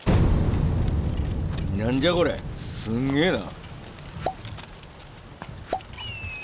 何じゃこれすげえな！